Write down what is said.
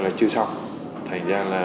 là chưa xong thành ra là